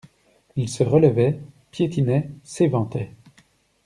Il se relevait, piétinait, s'éventait.